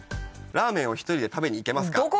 「ラーメンを１人で食べに行けますか？」